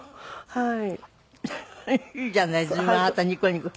はい。